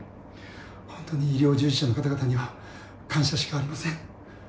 本当に医療従事者の方々には、感謝しかありません。